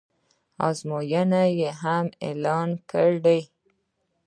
ازموینې هم اعلان کړې